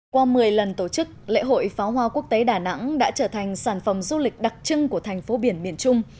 qua một mươi lần tổ chức lễ hội pháo hoa quốc tế đà nẵng đã trở thành sản phẩm du lịch đặc trưng của thành phố biển miền trung